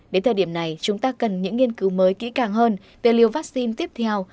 đến thời điểm này chúng ta cần những nghiên cứu mới kỹ càng hơn về liều vaccine tiếp theo